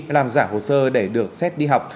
làm giả hồ sơ để được xét đi học